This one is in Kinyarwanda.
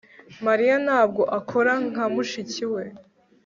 Mariya ntabwo akora nka mushiki we